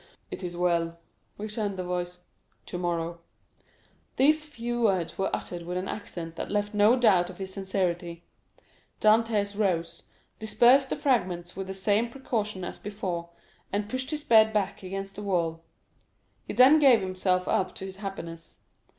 "It is well," returned the voice; "tomorrow." These few words were uttered with an accent that left no doubt of his sincerity; Dantès rose, dispersed the fragments with the same precaution as before, and pushed his bed back against the wall. He then gave himself up to his happiness.